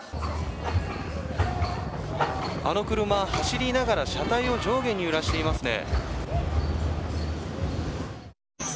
あの車、走りながら車体を上下に揺らしていますね。